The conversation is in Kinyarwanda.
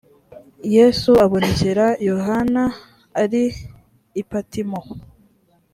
yesu abonekera yohana ari i patimo